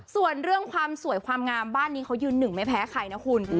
ส่วนเรื่องความสวยความงามบ้านนี้เขายืนหนึ่งไม่แพ้ใครนะคุณ